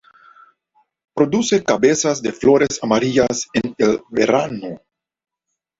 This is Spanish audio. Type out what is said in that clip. Produce cabezas de flores amarillas en el verano.